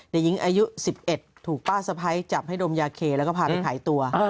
เด็กหญิงอายุ๑๑ถูกป้าสะพ้ายจับให้ดมยาเคแล้วก็พาไปขายตัว